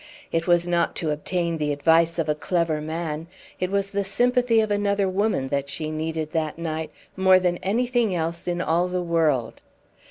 It was not to obtain the advice of a clever man; it was the sympathy of another woman that she needed that night more than anything else in all the world.